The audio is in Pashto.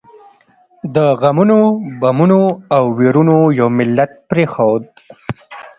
د غمونو، بمونو او ويرونو یو ملت پرېښود.